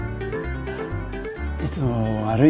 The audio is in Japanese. いつも悪いね。